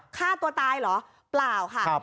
ฆ่าตัวตายเหรอเปล่าค่ะ